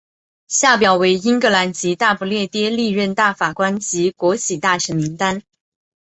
下表为英格兰及大不列颠历任大法官及国玺大臣名单。